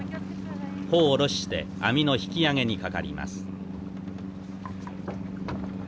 帆を下ろして網の引き揚げにかかります。